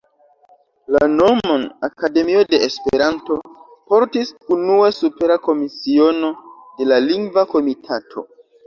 La nomon "Akademio de Esperanto" portis unue supera komisiono de la Lingva Komitato.